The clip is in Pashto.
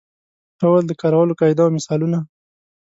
ډول د کارولو قاعده او مثالونه.